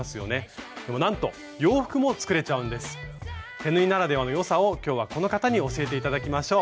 手縫いならではの良さを今日はこの方に教えて頂きましょう。